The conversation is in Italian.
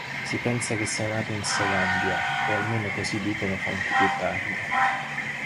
Si pensa che sia nato in Selandia, o almeno così dicono fonti più tarde.